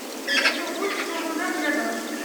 Cette voiture rouge flambant neuve là-bas.